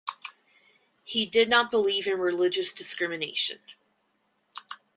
He did not believe in religious discrimination.